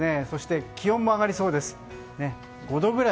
そして気温も上がりそうです。